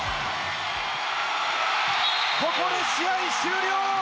ここで試合終了！